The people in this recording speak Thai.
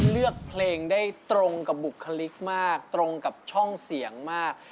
เลือกเพลงได้ตรงกับบุคลิกมากตรงกับช่องเสียงมาก